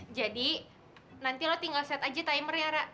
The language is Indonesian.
eh jadi nanti lu tinggal set aja timernya ra